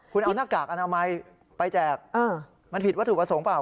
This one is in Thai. คุณเอาหน้ากากอนามัยไปแจกมันผิดวัตถุประสงค์เปล